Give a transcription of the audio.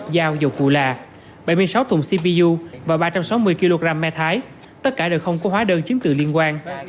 dao dầu cù la bảy mươi sáu thùng cpu và ba trăm sáu mươi kg me thái tất cả đều không có hóa đơn chiếm từ liên quan